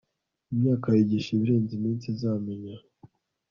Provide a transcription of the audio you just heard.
imyaka yigisha ibirenze iminsi izamenya